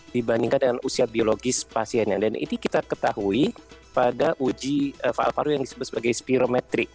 dibandingkan dengan usia biologis pasiennya dan ini kita ketahui pada uji alfaro yang disebut sebagai spirometri